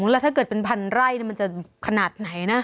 แล้วถ้าเกิดเป็นพันไร่มันจะขนาดไหนนะ